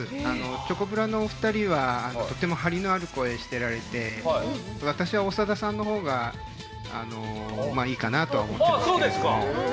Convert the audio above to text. チョコプラのお二人はとても張りのある声しておられて私は長田さんの方がいいかなと思っています。